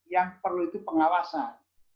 yang perlu itu pengawasan